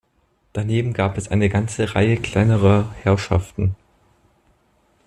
Daneben gab es eine ganze Reihe kleinerer Herrschaften.